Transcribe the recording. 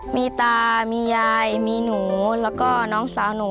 มีตามียายมีหนูแล้วก็น้องสาวหนู